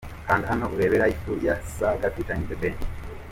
Kanda hano urebe 'Life' ya Saga ft The Ben .